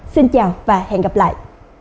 xin chào và hẹn gặp lại